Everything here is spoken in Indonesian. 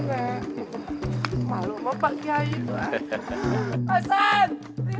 malu mau pak yai